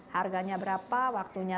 harganya berapa waktunya